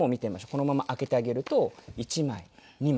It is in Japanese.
このまま開けてあげると１枚２枚。